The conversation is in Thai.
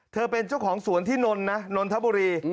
เป็นเจ้าของสวนที่นนนะนนทบุรี